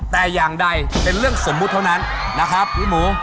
แต่อย่างใดเป็นเรื่องสมมุติเท่านั้นนะครับพี่หมู